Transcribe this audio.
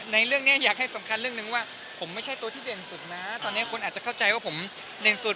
ในเรื่องนี้อยากให้สำคัญเรื่องนึงว่าผมไม่ใช่ตัวที่เด่นสุดนะตอนนี้คนอาจจะเข้าใจว่าผมเด่นสุด